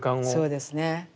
そうですね。